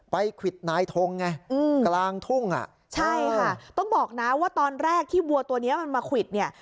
ควิดนายทงไงกลางทุ่งอ่ะใช่ค่ะต้องบอกนะว่าตอนแรกที่วัวตัวเนี้ยมันมาควิดเนี่ย